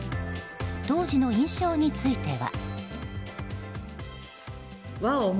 当時の印象については。